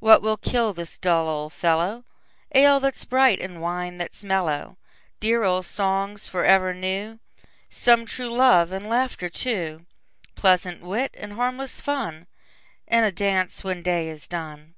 What will kill this dull old fellow? Ale that 's bright, and wine that 's mellow! Dear old songs for ever new; Some true love, and laughter too; Pleasant wit, and harmless fun, And a dance when day is done.